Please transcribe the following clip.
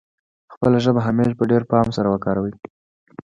خپله ژبه همېش په ډېر پام سره وکاروي.